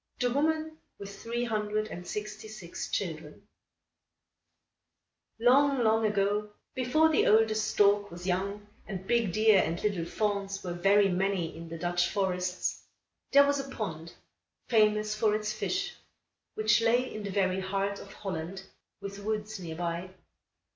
THE WOMAN WITH THREE HUNDRED AND SIXTY SIX CHILDREN Long, long ago, before the oldest stork was young and big deer and little fawns were very many in the Dutch forests, there was a pond, famous for its fish, which lay in the very heart of Holland, with woods near by.